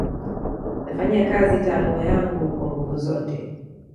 Nafanyia kazi taaluma yangu kwa nguvu zote